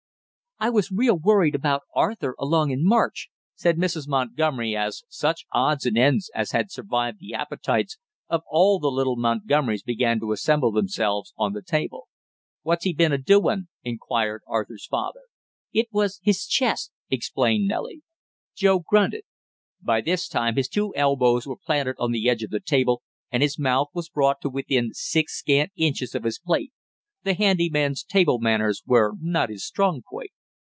"I was real worried about Arthur along in March," said Mrs. Montgomery, as such odds and ends as had survived the appetites of all the little Montgomerys began to assemble themselves on the table. "What's he been a doin'?" inquired Arthur's father. "It was his chest," explained Nellie. Joe grunted. By this time his two elbows were planted on the edge of the table and his mouth was brought to within six scant inches of his plate. The handy man's table manners were not his strong point.